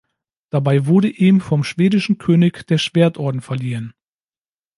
Dabei wurde ihm vom schwedischen König der Schwertorden verliehen.